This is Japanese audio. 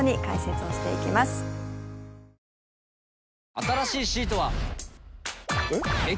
新しいシートは。えっ？